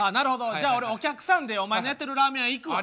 じゃあ俺お客さんでお前のやってるラーメン屋行くわ。